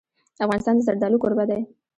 افغانستان د زردالو کوربه دی.